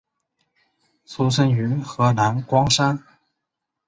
出生于河南光山。